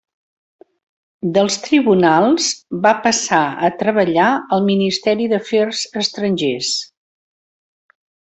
Dels tribunals, va passar a treballar al Ministeri d'Afers Estrangers.